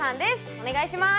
お願いします